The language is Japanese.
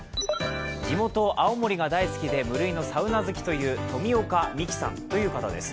地元・青森が大好きで無類のサウナ好きという冨岡未希さんです。